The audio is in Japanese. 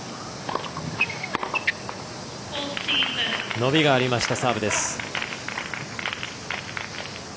伸びがあったサーブです。